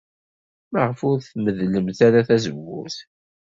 Maɣef ur tmeddlemt ara tazewwut?